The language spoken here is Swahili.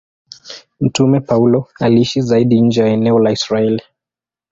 Mtume Paulo aliishi zaidi nje ya eneo la Israeli.